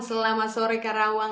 selamat sore karawang